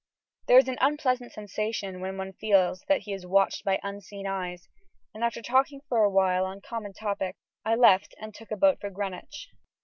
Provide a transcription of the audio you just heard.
There is an unpleasant sensation when one feels that he is watched by unseen eyes, and after talking for awhile on common topics I left and took a boat for Greenwich.